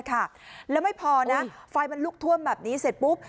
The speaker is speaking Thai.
แล้วไม่พอนะไฟมันลุกท่วมแบบนี้เสร็จปุ๊บ